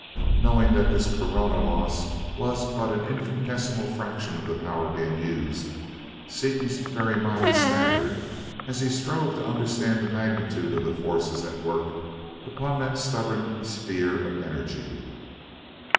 Knowing that this corona loss was but an infinitesimal fraction of the power being used, Seaton's very mind staggered as he strove to understand the magnitude of the forces at work upon that stubborn sphere of energy.